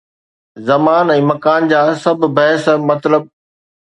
زمان ۽ مڪان جا سڀ بحث مطلب.